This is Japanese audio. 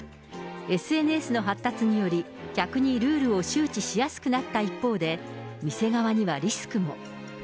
ＳＮＳの発達により、客にルールを周知しやすくなった一方で、店側にはリスクも。